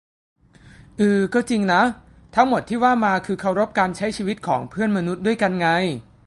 อือ ก็จริงนะ ทั้งหมดที่ว่ามาคือเคารพการใช้ชีวิตของเพื่อนมนุษย์ด้วยกันไง